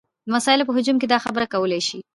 د مسایلو په هجوم کې دا خبره کولی شي.